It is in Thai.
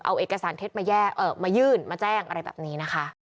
เอาเอกสารเท็จมายื่นมาแจ้งอะไรแบบนี้นะคะ